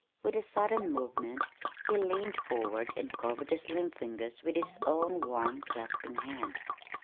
With a sudden movement he leaned forward and covered the slim fingers with his own warm clasping hand.